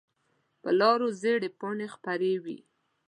په لارو زېړې پاڼې خپرې وي